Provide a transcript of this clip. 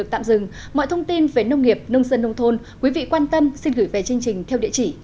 thông tin về nông nghiệp nông dân nông thôn quý vị quan tâm xin gửi về chương trình theo địa chỉ